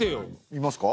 見ますか？